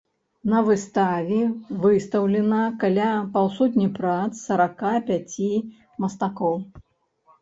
На выставе выстаўлена каля паўсотні прац сарака пяці мастакоў.